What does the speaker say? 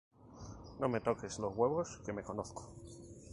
No me toques los huevos que me conozco